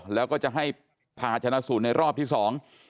แล้วก็จะให้ผ่าชนะสูตรในรอบที่สอง